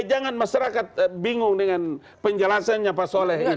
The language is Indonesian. jangan masyarakat bingung dengan penjelasannya pak soleh